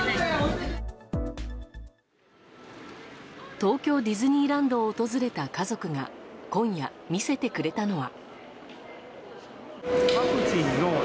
東京ディズニーランドを訪れた家族が今夜、見せてくれたのは。